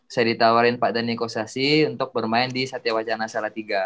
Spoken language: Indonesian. saya ditawarin pak dhani kusasi untuk bermain di satya wacana salatiga